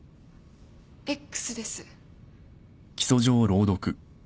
Ｘです。